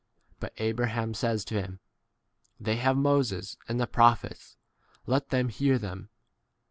But w Abraham says to him, They have Moses and the prophets : let them s° hear them.